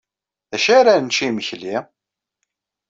D acu ara nečč i imekli?